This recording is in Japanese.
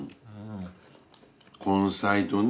根菜とね。